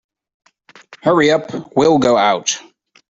Hurry up and we'll go out.